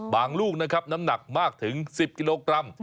ลูกนะครับน้ำหนักมากถึง๑๐กิโลกรัม